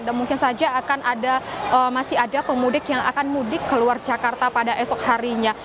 dan mungkin saja akan ada masih ada pemudik yang akan mudik ke luar jakarta pada esok harinya